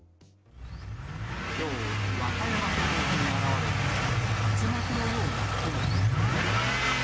きょう、和歌山県沖に現れた、竜巻のような雲。